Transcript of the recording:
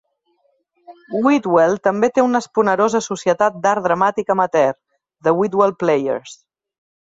Whitwell també té una esponerosa societat d'art dramàtic amateur: The Whitwell Players.